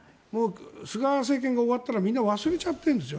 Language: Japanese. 菅政権が終わってみんな忘れちゃってるんです。